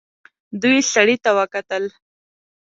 دوی سړي ته وکتل.